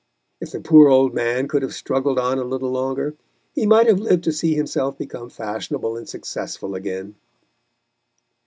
If the poor old man could have struggled on a little longer he might have lived to see himself become fashionable and successful again.